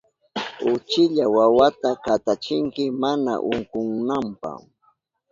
Uchilla wawata katachinki mana unkunanpa.